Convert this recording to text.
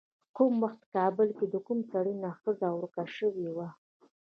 کوم وخت کابل کې له کوم سړي نه ښځه ورکه شوې وه.